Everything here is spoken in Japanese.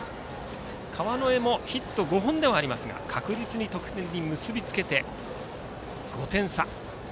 川之江もヒット５本ですが確実に得点に結びつけて５点差。